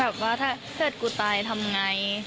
แบบว่าถ้าเพื่อนกูตายทำอย่างไร